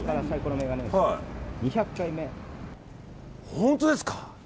本当ですか。